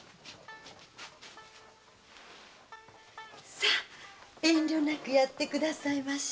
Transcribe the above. さあ遠慮なくやってくださいまし。